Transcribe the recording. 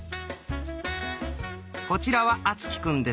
こちらは敦貴くんです。